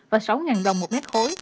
và sáu đồng một mét khối